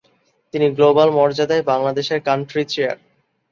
তিনি গ্লোবাল মর্যাদায় বাংলাদেশের কান্ট্রি চেয়ার।